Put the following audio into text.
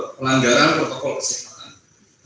pelanggaran protokol kesepakatan